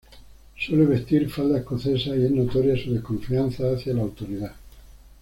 Suele vestir falda escocesa y es notoria su desconfianza hacia la autoridad.